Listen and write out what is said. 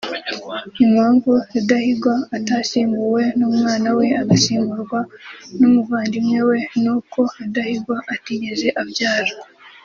Impamvu Rudahigwa atasimbuwe n’umwana we agasimburwa n’umuvandimwe we n’uko Rudahigwa atigeze abyara